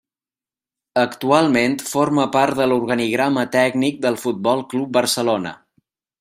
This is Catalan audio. Actualment forma part de l'organigrama tècnic del Futbol Club Barcelona.